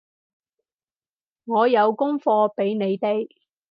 我有功課畀你哋